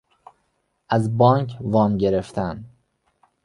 از بانک وام گرفتن